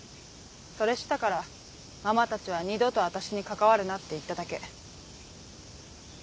それ知ったからママたちは二度と私に関わるなって言っただけ。